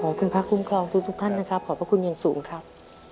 พระคุณพระคุ้มครองทุกท่านนะครับขอบพระคุณอย่างสูงครับ